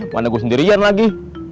mana gue sendirian lagi